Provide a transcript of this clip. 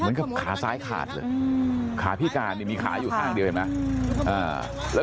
เหมือนกับขาซ้ายขาดเลยขาพี่การมีขาอยู่ข้างเดียวเห็นไหม